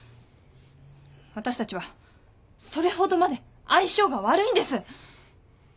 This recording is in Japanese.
私たちはそれほどまで相性が悪いんです。